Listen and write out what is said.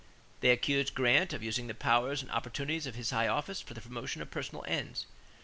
They accused Grant of using "the powers and opportunities of his high office for the promotion of personal ends."